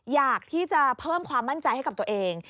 อยากที่จะเพิ่มความมั่นใจให้กับตัวเอง